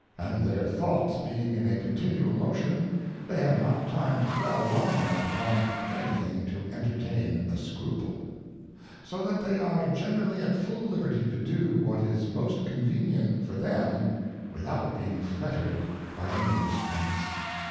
And their thoughts being in a continual motion, they have not time to dwell long enough upon any thing to entertain a scruple. So that they are generally at full liberty to do what is most convenient for them, without being fettered by any Restraints.